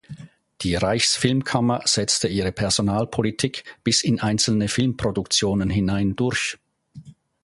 Die Reichsfilmkammer setzte ihre Personalpolitik bis in einzelne Filmproduktionen hinein durch.